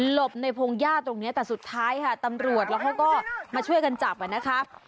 บในพงหญ้าตรงนี้แต่สุดท้ายค่ะตำรวจแล้วเขาก็มาช่วยกันจับอ่ะนะคะ